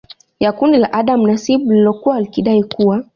ya kundi la Adam Nasibu lililokuwa likidai kuwa